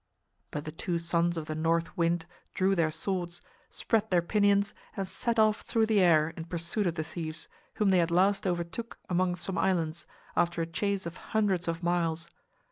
But the two sons of the North Wind drew their swords, spread their pinions and set off through the air in pursuit of the thieves, whom they at last overtook among some islands, after a chase of hundreds of miles.